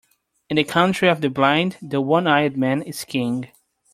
In the country of the blind, the one-eyed man is king.